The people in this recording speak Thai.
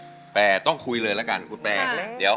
ฉันเราขอบคุณแปร์ต้องคุยเลยแล้วกันคุณแปรร์